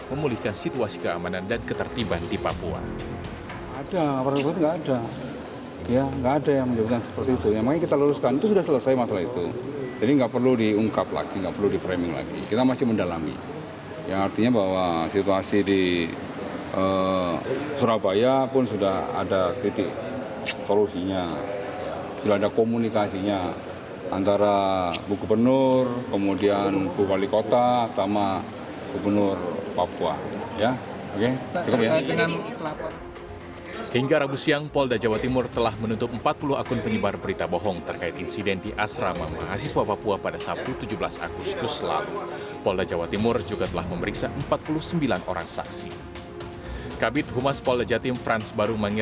memulihkan situasi keamanan dan ketertiban di papua